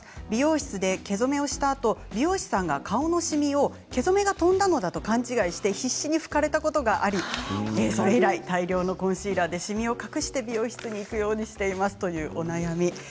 美容室で毛染めをしたあと美容師さんに顔のシミを毛染めが飛んだのだと思い必死に拭かれたことがありそれ以来大量のコンシーラーでシミを隠して美容室に行くようにしていますというお悩み。